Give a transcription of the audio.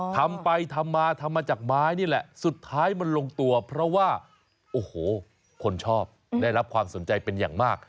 ทำไปทำมาทำมาจากไม้นี่แหละสุดท้ายมันลงตัวเพราะว่าโอ้โหคนชอบได้รับความสนใจเป็นอย่างมาก